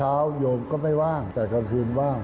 โยมก็ไม่ว่างแต่กลางคืนว่าง